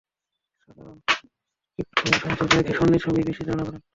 সাধারণত ক্রিপ্টোকারেন্সি সমর্থকরা একে স্বর্ণের সঙ্গেই বেশি তুলনা করেন।